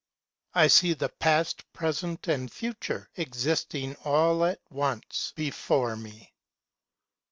I see the Past, Present, and Future existing all at onceBefore me.